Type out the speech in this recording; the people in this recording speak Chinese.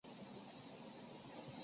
江孔殷。